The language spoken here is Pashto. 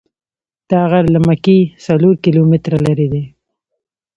دا غر له مکې څلور کیلومتره لرې دی.